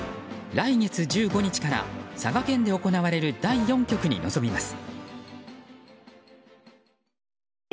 来月１５日から佐賀県で行われる第４局に臨みます。